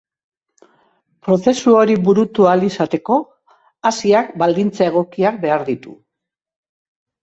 Prozesu hori burutu ahal izateko, haziak baldintza egokiak behar ditu.